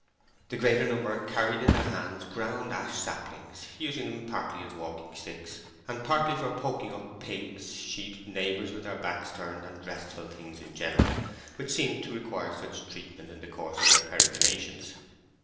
The greater number carried in their hands ground ash saplings, using them partly as walking sticks and partly for poking up pigs, sheep, neighbours with their backs turned, and restful things in general, which seemed to require such treatment in the course of their peregrinations.